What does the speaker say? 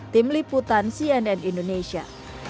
tim liputan cnn indonesia